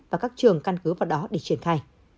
và các trường căn cứ vào đó để triển khai